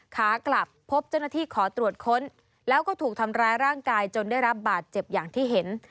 ขากลับพบเจ้าหน้าที่ขอตรวจค้นแล้วก็ถูกทำร้ายร่างกายจนได้รับบาดเจ็บอย่างที่เห็น